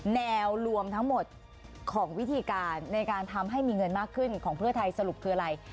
แนวรวมทั้งหมดของวิธีการในการทำให้มีเงินมากขึ้นของเพื่อไทยสรุปคืออะไร